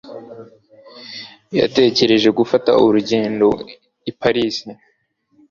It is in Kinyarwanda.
Yatekereje gufata urugendo i Paris.